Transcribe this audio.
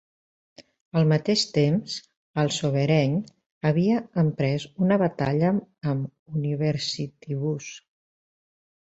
Al mateix temps, el Sovereign havia emprès una batalla amb Universitybus.